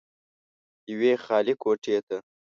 يوې خالې کوټې ته